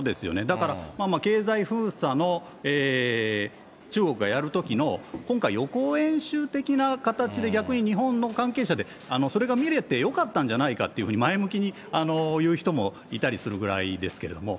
だから、経済封鎖の、中国がやるときの今回、予行演習的な形で、逆に日本の関係者で、それが見れてよかったんじゃないかというふうに前向きに言う人もいたりするぐらいですけれども。